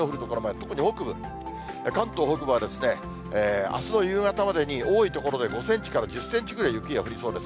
特に北部、関東北部は、あすの夕方までに多い所で５センチから１０センチぐらい、雪が降りそうです。